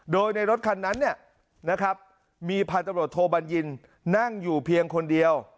โดยในรถคันนั้นเนี่ยนะครับมีพันธุ์ตำรวจโทบัญญินนั่งอยู่เพียงคนเดียว